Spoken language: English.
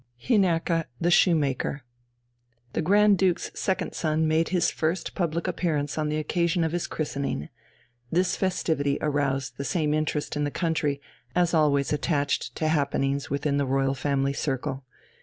III HINNERKE THE SHOEMAKER The Grand Duke's second son made his first public appearance on the occasion of his christening. This festivity aroused the same interest in the country as always attached to happenings within the Royal Family circle.